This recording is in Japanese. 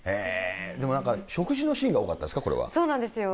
でもなんか食事のシーンが多そうなんですよ。